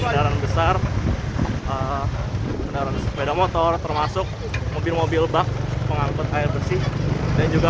kendaraan besar kendaraan sepeda motor termasuk mobil mobil bak pengangkut air bersih dan juga